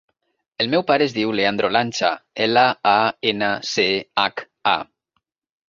El meu pare es diu Leandro Lancha: ela, a, ena, ce, hac, a.